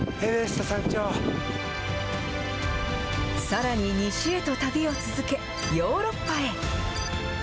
さらに西へと旅を続け、ヨーロッパへ。